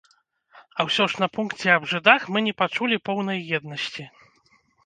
А ўсё ж на пункце аб жыдах мы не пачулі поўнай еднасці.